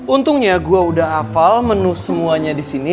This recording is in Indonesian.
untuknya gue udah hafal menu semuanya disini